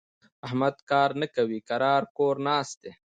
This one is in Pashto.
احمد کار نه کوي؛ کرار کور ناست دی.